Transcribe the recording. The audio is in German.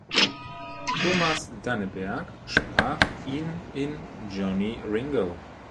Thomas Danneberg sprach ihn in "Johnny Ringo".